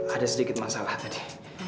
ada sedikit masalah tadi